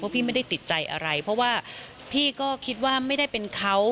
พี่ไม่ได้ติดใจอะไรเพราะว่าพี่ก็คิดว่าไม่ได้เป็นเขา